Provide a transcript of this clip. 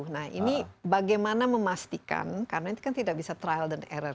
nah ini bagaimana memastikan karena ini kan tidak bisa terlambat